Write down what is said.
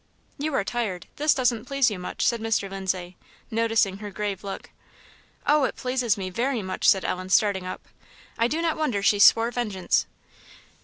"You are tired; this doesn't please you much," said Mr. Lindsay, noticing her grave look. "Oh, it pleases me very much?" said Ellen, starting up; "I do not wonder she swore vengeance."